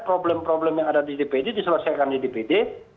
problem problem yang ada di dpd